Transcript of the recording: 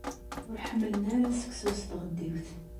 Ur ḥemmlen ara seksu s tɣeddiwt.